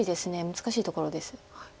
難しいところです。